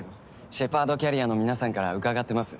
シェパードキャリアの皆さんから伺ってます。